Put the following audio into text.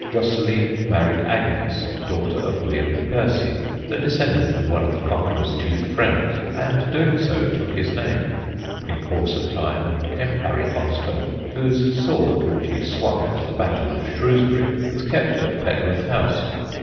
Josceline married Agnes, daughter of William de Percy, the descendant of one of the Conqueror's chief friends, and, doing so, took his name. In course of time came Harry Hotspur, whose sword, which he swung at the Battle of Shrewsbury, is kept at Petworth House.